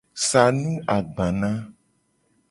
Sa nu agbana.